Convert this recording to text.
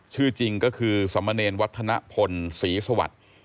ชื่อจริงก็คือสมเนรวัฒนพลศรีสวัสดิ์